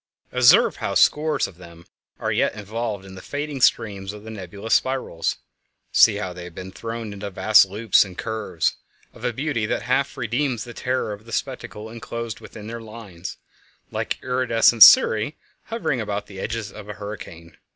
Observe how scores of them are yet involved in the fading streams of the nebulous spirals; see how they have been thrown into vast loops and curves, of a beauty that half redeems the terror of the spectacle enclosed within their lines—like iridescent cirri hovering about the edges of a hurricane.